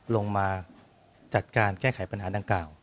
ลงมาจัดการแก้ไขปัญหาดังกล่าว